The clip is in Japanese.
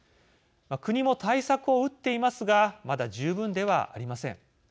国も対策を打っていますがまだ十分ではありません。